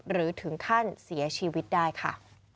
หรือถึงขั้นเสียชีวิตได้ค่ะ